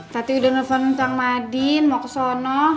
tati udah nelfon cang madin mau ke sana